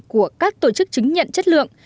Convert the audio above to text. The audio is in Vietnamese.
của các tổ chức chứng nhận chất lượng